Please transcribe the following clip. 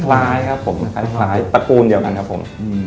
คล้ายครับผมคล้ายตระกูลเดียวกันครับผม